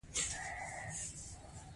دا منطقي صفتونه په اخلاقي مفاهیمو کې وي.